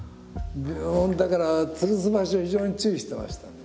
だからつるす場所を非常に注意してましたね。